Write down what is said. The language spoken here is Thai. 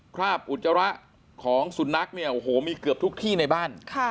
ราบอุจจาระของสุนัขเนี่ยโอ้โหมีเกือบทุกที่ในบ้าน